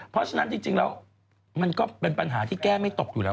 เพราะฉะนั้นจริงแล้วมันก็เป็นปัญหาที่แก้ไม่ตกอยู่แล้ว